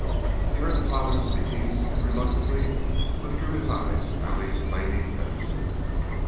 He heard the father speaking, and reluctantly withdrew his eyes from Allie's flaming face.